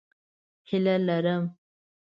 هیله لرم